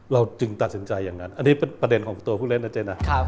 เราจึงตัดสินใจอย่างนั้นอันนี้เป็นประเด็นของตัวผู้เล่นนะเจ๊นะ